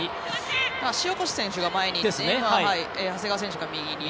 塩越選手が前に長谷川選手が右に。